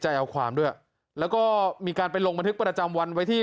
เอาความด้วยแล้วก็มีการไปลงบันทึกประจำวันไว้ที่